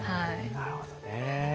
なるほどね。